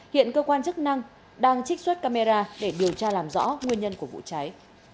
hiện cơ quan chức năng đang trích xuất camera để điều tra làm rõ nguyên nhân của vụ cháy